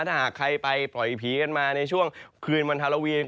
ถ้าหากใครไปปล่อยผีกันมาในช่วงคืนวันฮาโลวีน